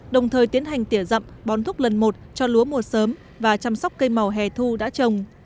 đồng thời tiến hành tỉa dậm bón thúc lần một cho lúa mùa sớm và chăm sóc cây màu hè thu đã trồng